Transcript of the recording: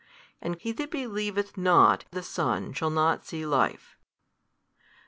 and he that believeth not the Son shall not see life.